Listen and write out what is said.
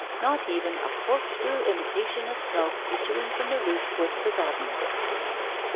Not even a corkscrew imitation of smoke issuing from the roof was forgotten.